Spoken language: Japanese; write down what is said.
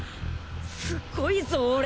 すっごいぞ俺。